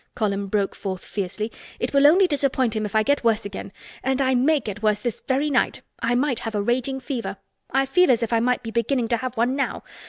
Colin broke forth fiercely. "It will only disappoint him if I get worse again—and I may get worse this very night. I might have a raging fever. I feel as if I might be beginning to have one now.